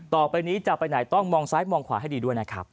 ต่อไปนี้จะไปไหนต้องมองซ้ายมองขวาให้ดีด้วยนะครับ